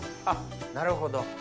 あっなるほど。